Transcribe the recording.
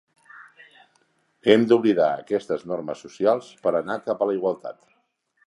Hem d'oblidar aquestes normes socials per anar cap a la igualtat.